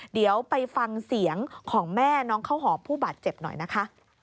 เดี๋ยวไปฟังเสียงของแม่น้องข้าวหอมผู้บาดเจ็บหน่อยนะคะ